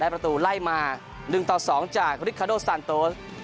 ประตูไล่มาหนึ่งต่อสองจากริคาโดสันโต